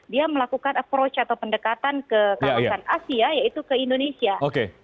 dia melakukan approach atau pendekatan ke kawasan asia yaitu ke indonesia